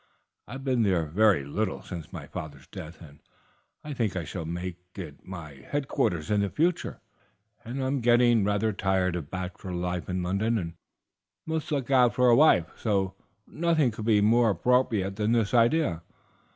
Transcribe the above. I have been there very little since my father's death, and I think I shall make it my headquarters in future. I am getting rather tired of bachelor life in London, and must look out for a wife; so nothing could be more appropriate than this idea.